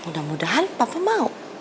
mudah mudahan papa mau